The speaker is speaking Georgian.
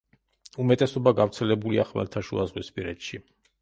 უმეტესობა გავრცელებულია ხმელთაშუაზღვისპირეთში.